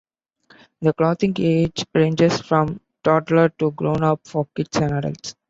The clothing age ranges from toddler to grownup, for kids and adults.